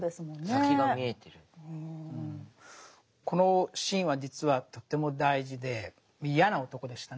このシーンは実はとっても大事で嫌な男でしたね。